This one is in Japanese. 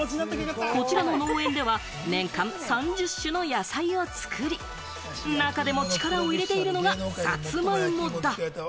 こちらの農園では年間３０種の野菜を作り、中でも力を入れているのがさつまいもだ。